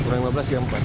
kurang lima belas jam pak